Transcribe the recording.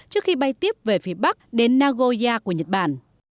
trước khi bay tiếp về phía bắc đến nagoya của nhật bản